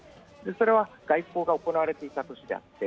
それは外交が行われていた年であって、